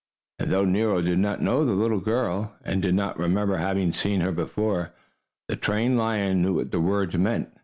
And though Nero did not know the little girl, and did not remember having seen her before, the trained lion knew what the words meant.